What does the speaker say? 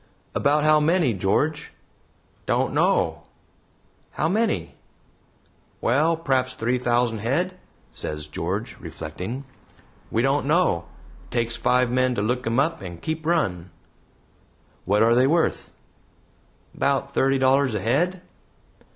"About how many, George?" "Don't know." "How many?" "'Well, p'r'aps three thousand head," says George, reflecting. "We don't know, takes five men to look 'em up and keep run." "What are they worth?" "About thirty dollars a head."